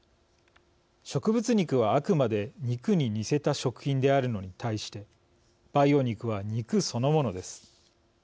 植物肉は、あくまで肉に似せた食品であるのに対して培養肉は肉そのものです。